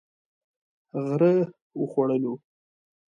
غره و خوړلو.